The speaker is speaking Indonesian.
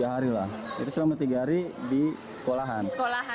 tiga hari lah jadi selama tiga hari di sekolahan